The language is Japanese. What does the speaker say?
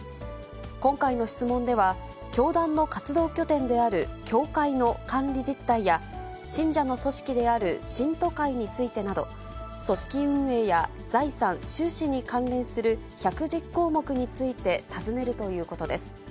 今回の質問では、教団の活動拠点である教会の管理実態や、信者の組織である信徒会についてなど、組織運営や財産・収支に関連する１１０項目について尋ねるということです。